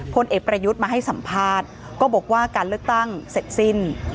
พลเอกประยุทธ์มาให้สัมภาษณ์ก็บอกว่าการเลือกตั้งเสร็จสิ้น